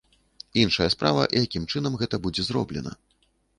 Іншая справа, якім чынам гэта будзе зроблена.